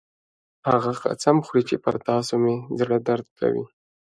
هغه قسم خوري چې پر تاسو مې زړه درد کوي